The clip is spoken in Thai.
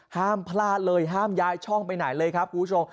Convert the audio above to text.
ห้ามพลาดเลยห้ามย้ายช่องไปไหนเลยครับคุณผู้ชม